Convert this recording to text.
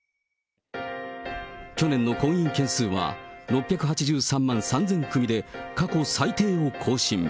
去年の婚姻件数は６８３万３０００組で、過去最低を更新。